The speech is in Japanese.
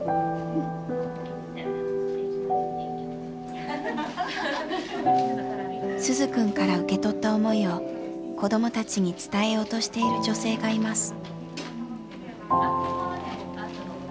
それを鈴くんから受け取った思いを子どもたちに伝えようとしている女性がいます。